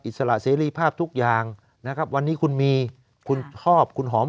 สระเสรีภาพทุกอย่างนะครับวันนี้คุณมีคุณภาพคุณหอม